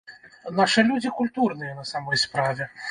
Нашы людзі культурныя на самой справе.